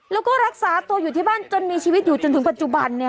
แล้วก็รักษาตัวอยู่ที่บ้านจนมีชีวิตอยู่จนถึงปัจจุบันเนี่ย